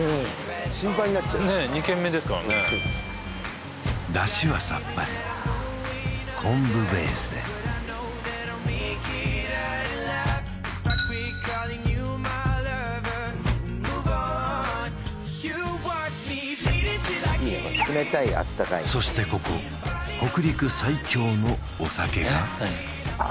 心配になっちゃう２軒目ですからね出汁はさっぱり昆布ベースでいいね冷たいあったかいそしてここ北陸最強のお酒があ